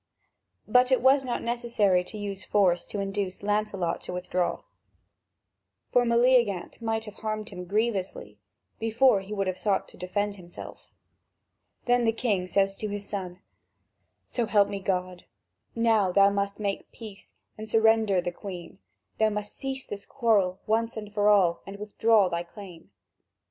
But it was not necessary to use force to induce Lancelot to withdraw, for Meleagant might have harmed him grievously, before he would have sought to defend himself. Then the king says to his son: "So help me God, now thou must make peace and surrender the Queen. Thou must cease this quarrel once for all and withdraw thy claim."